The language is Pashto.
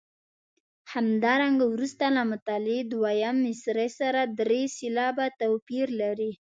همدارنګه وروسته له مطلع دویمې مصرع سره درې سېلابه توپیر لري.